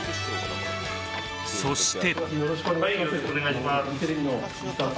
そして。